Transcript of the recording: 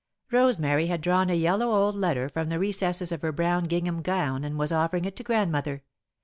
Rosemary had drawn a yellow old letter from the recesses of her brown gingham gown and was offering it to Grandmother.